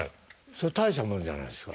それは大したもんじゃないですか。